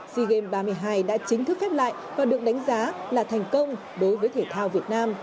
sea games ba mươi hai đã chính thức khép lại và được đánh giá là thành công đối với thể thao việt nam